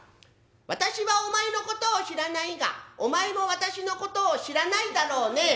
「私はお前のことを知らないがお前も私のことを知らないだろうね」。